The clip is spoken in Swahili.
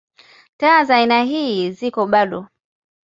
Taa za aina ii ziko bado.